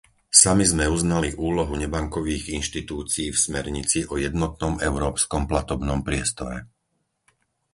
Sami sme uznali úlohu nebankových inštitúcií v smernici o jednotnom európskom platobnom priestore.